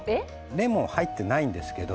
レモン入ってないんですけど